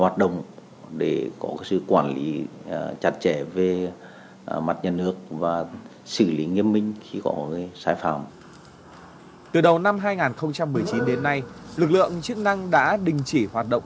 từ đầu năm hai nghìn một mươi chín đến nay lực lượng chức năng đã đình chỉ hoạt động